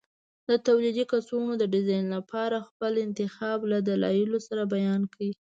د تولیدي کڅوړو د ډیزاین لپاره خپل انتخاب له دلایلو سره بیان کړئ.